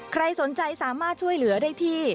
ใครสนใจสามารถช่วยเหลือได้ที่